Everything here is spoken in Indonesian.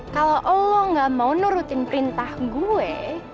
kalau allah gak mau nurutin perintah gue